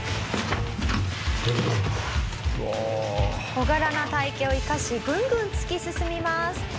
「小柄な体形を生かしぐんぐん突き進みます」